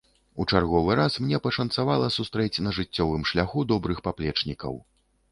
У чарговы раз мне пашанцавала сустрэць на жыццёвым шляху добрых паплечнікаў.